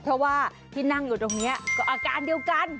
เพราะว่าที่นั่งอยู่ตรงนี้ก็อาการเดียวกัน